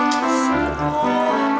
bagus sih bagus nih warnanya